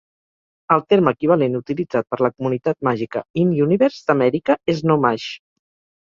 El terme equivalent utilitzat per la comunitat màgica in-universe d"Amèrica és No-Maj.